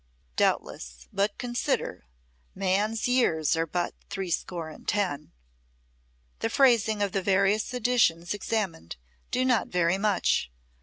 Doubtless, but consider: man's years are but threescore and ten! The phrasing of the various editions examined do not vary much.